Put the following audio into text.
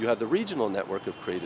chúng ta cũng có một nền kết quả